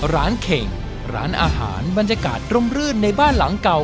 เข่งร้านอาหารบรรยากาศร่มรื่นในบ้านหลังเก่า